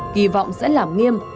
kỳ vọng sẽ làm nghiêm